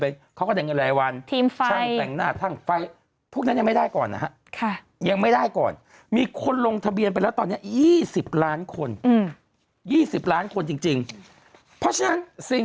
เพราะฉะนั้นสิ่งที่เราไปลงทะเบียน